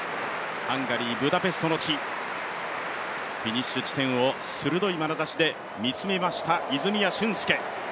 ハンガリー・ブダペストの地フィニッシュ地点を鋭い視線で見つめました泉谷駿介。